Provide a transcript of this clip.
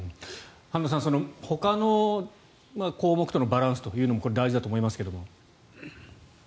半田さん、ほかの項目とのバランスというのもこれは大事だと思いますが。